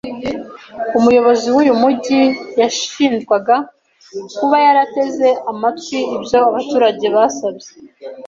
Umuyobozi wuyu mujyi yashinjwaga kuba yarateze amatwi ibyo abaturage basabye.